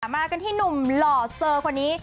มากันที่หนุ่มหล่อเซอร์คนนี้